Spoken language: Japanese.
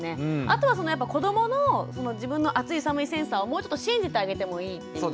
あとはそのやっぱ子どもの自分の暑い寒いセンサーをもうちょっと信じてあげてもいいっていう。